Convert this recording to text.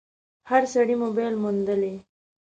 هر سړي موبایل موندلی